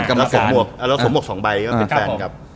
แล้วสมมติสองใบก็เป็นแฟนกับ